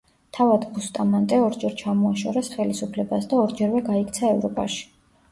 თავად ბუსტამანტე ორჯერ ჩამოაშორეს ხელისუფლებას და ორჯერვე გაიქცა ევროპაში.